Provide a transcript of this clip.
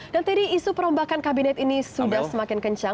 dan tadi isu perombakan kabinet ini sudah semakin kencang